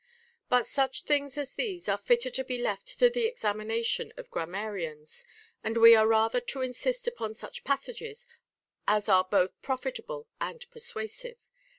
But such things as these are fitter to be left to the exam ination of grammarians ; and we are rather to insist upon such passages as are both profitable and persuasive.